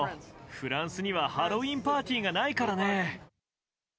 フランスにはハロウィーンパーティーがないからね。